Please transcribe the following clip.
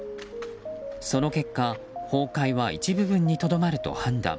その結果崩壊は一部分にとどまると判断。